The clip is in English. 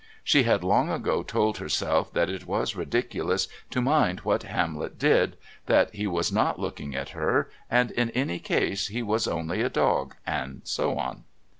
She had long ago told herself that it was ridiculous to mind what Hamlet did, that he was not looking at her, and, in any case, he was only a dog and so on.